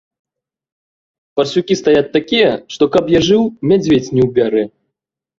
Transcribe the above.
Парсюкі стаяць такія, што, каб я жыў, мядзведзь не ўбярэ.